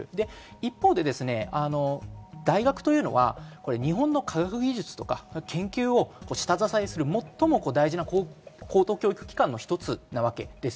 一方で大学は日本の科学技術や研究を下支えする最も大事な高等教育の一つなわけです。